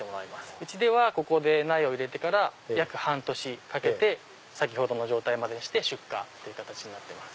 うちではここで苗を入れてから約半年かけて先ほどの状態までにして出荷という形になってます。